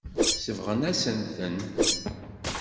Sebɣen-asen-ten.